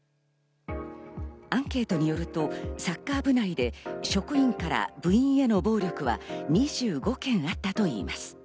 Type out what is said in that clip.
アンケートによるとサッカー部内で職員から部員への暴力は２５件あったといいます。